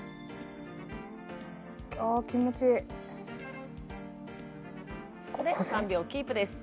あ気持ちいいここで３秒キープです